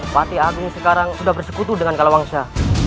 pati agung sekarang sudah bersekutu dengan kalawangsa